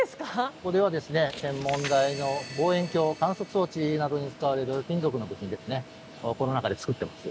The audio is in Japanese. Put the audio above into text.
ここではですね天文台の望遠鏡観測装置などに使われる金属の部品ですねをこの中で作ってます。